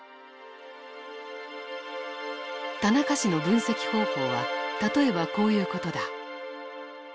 田中氏の分析方法は例えばこういうことだ。